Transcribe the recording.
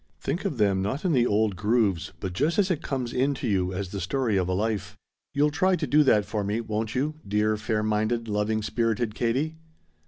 Think of them, not in the old grooves, but just as it comes in to you as the story of a life? "You'll try to do that for me, won't you, dear fair minded, loving spirited Katie?